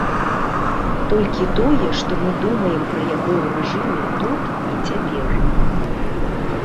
Толькі тое, што мы думаем пра яго ў рэжыме тут і цяпер.